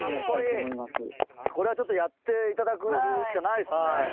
これはちょっとやっていただくしかないですね。